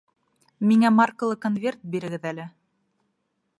Миңә маркалы конверт бирегеҙ әле!